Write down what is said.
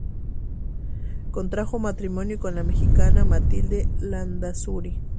Contrajo matrimonio con la mexicana Matilde Landázuri.